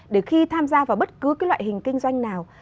để khi tham gia vào bất cứ cái loại hình kinh doanh nào